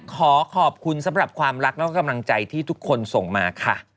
ขอขอบคุณสำหรับความรักแล้วก็กำลังใจที่ทุกคนส่งมาค่ะ